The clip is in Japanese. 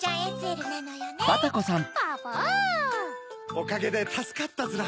おかげでたすかったヅラ。